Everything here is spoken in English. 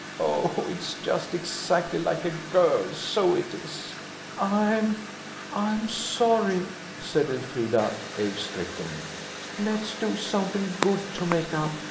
Oh, it's just exactly like a girl, so it is!" "I'm–I'm sorry," said Elfrida, awestricken. "Let's do something good to make up.